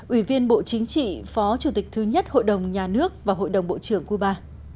ủy viên bộ chính trị phó chủ tịch thứ nhất hội đồng nhà nước và hội đồng bộ trưởng cuba